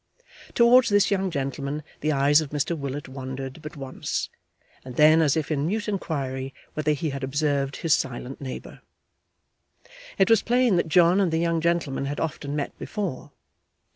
Towards this young gentleman the eyes of Mr Willet wandered but once, and then as if in mute inquiry whether he had observed his silent neighbour. It was plain that John and the young gentleman had often met before.